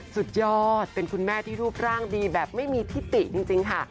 สุดยอดเป็นคุณแม่ที่รูปร่างดีแบบไม่มีทิติจริงค่ะ